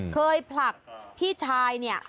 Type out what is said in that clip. ผลักพี่ชายเนี่ย